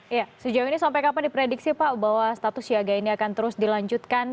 iya sejauh ini sampai kapan diprediksi pak bahwa status siaga ini akan terus dilanjutkan